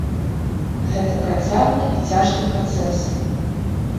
Гэта працяглы і цяжкі працэс.